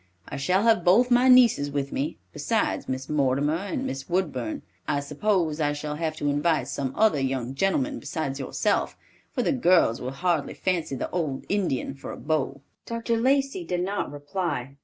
I shall have both my nieces with me, besides Miss Mortimer and Miss Woodburn. I suppose I shall have to invite some other young gentleman besides yourself, for the girls will hardly fancy the old Indian for a beau." Dr. Lacey did not reply.